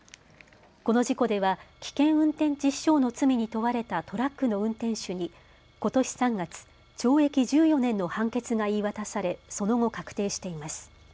この事故では危険運転致死傷の罪に問われたトラックの運転手にことし３月、懲役１４年の判決が言い渡され、その後、確定しています。